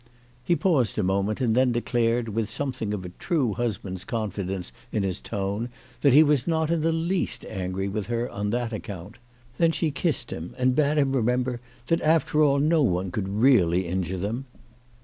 He paused a moment and then declared, with something of a true husband's confidence in his tone, that he was not in the least angry with her on that account. Then she kissed him, and bade him remember that after all no one could really injure them.